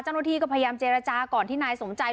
เจ้าหน้าที่ก็พยายามเจรจาก่อนที่นายสมใจ